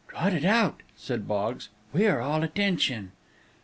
"Trot it out," said Boggs, "we are all attention."